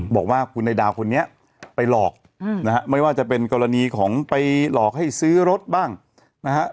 บอกว่าคุณนายดาวคนนี้ไปหลอกนะฮะไม่ว่าจะเป็นกรณีของไปหลอกให้ซื้อรถบ้างนะฮะ